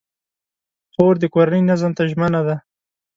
خور د کورنۍ نظم ته ژمنه ده.